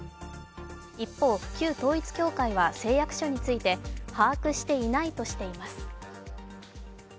一方、旧統一教会は誓約書について把握していないとしています。